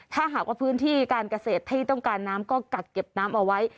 ถ้าหากว่าพื้นที่การเกษตรที่ต้องการน้ำก็กักเก็บน้ำเอาไว้